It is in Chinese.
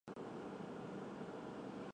拉利佐尔人口变化图示